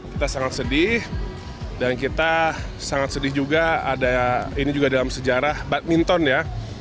kita sangat sedih dan kita sangat sedih juga ada ini juga dalam sejarah badminton ya